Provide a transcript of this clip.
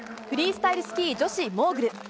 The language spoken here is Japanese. フリースタイルスキー女子モーグル。